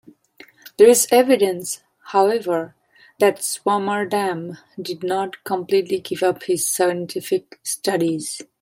There is evidence, however, that Swammerdam did not completely give up his scientific studies.